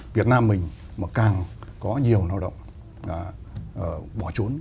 việt nam mình mà càng có nhiều lao động bỏ trốn